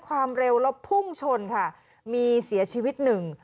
ความเร็วแล้วพุ่งชนค่ะมีเสียชีวิตหนึ่ง